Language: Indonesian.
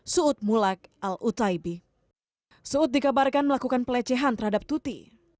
suud dikabarkan melakukan pelecehan terhadap tuti